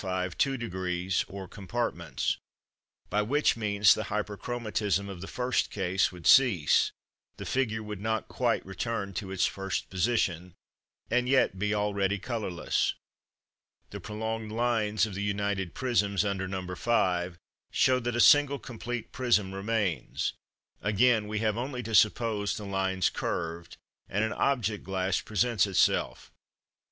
5 two degrees or compartments; by which means the Hyperchromatism of the first case would cease, the figure would not quite return to its first position, and yet be already colourless. The prolonged lines of the united prisms, under No. 5, show that a single complete prism remains: again, we have only to suppose the lines curved, and an object glass presents itself.